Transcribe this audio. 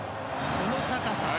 この高さ。